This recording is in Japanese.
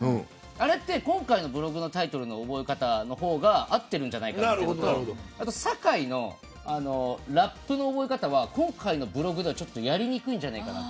あれって今回のブログのタイトルの覚え方のほうが合ってるんじゃないかなと思うのとあと、酒井のラップの覚え方は今回のブログではちょっとやりにくいんじゃないかと。